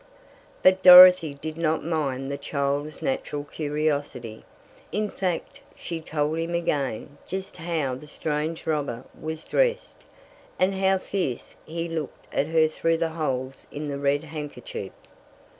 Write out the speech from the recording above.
But Dorothy did not mind the child's natural curiosity. In fact she told him again just how the strange robber was dressed, and how fierce he looked at her through the holes in the red handkerchief.